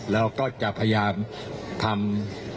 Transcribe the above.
แล้วก็จะพยายามทำ